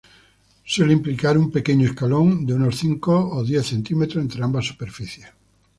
Suele implicar un pequeño escalón de unos cinco o diez centímetros entre ambas superficies.